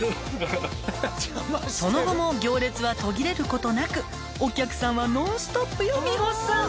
「その後も行列は途切れることなくお客さんはノンストップよ美穂さん！」